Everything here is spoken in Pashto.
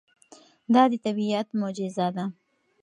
دا د طبیعت معجزه ده.